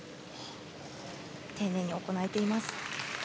丁寧に行えています。